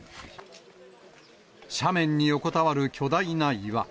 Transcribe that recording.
斜面に横たわる巨大な岩。